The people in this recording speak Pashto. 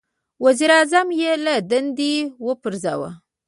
• وزیر اعظم یې له دندې وپرځاوه.